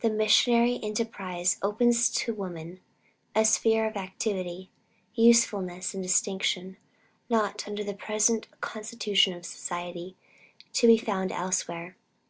The missionary enterprise opens to woman a sphere of activity, usefulness and distinction, not, under the present constitution of society, to be found elsewhere.